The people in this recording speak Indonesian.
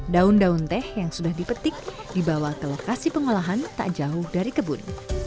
daun daun teh yang sudah dipetik dibawa ke lokasi pengolahan tak jauh dari kebun